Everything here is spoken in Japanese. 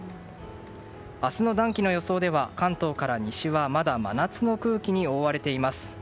明日の暖気の予想では関東から西はまだ真夏の空気に覆われています。